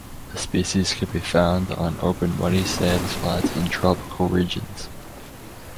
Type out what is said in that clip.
The species can be found on open muddy sand flats in tropical regions.